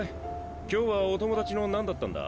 今日はお友達の何だったんだ？